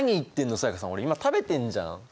才加さん俺今食べてんじゃん！